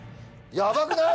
ヤバくない？